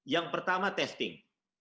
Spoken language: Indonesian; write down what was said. yang pertama testing